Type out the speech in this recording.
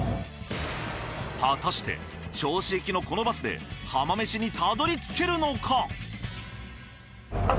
果たして銚子行きのこのバスで浜めしにたどりつけるのか？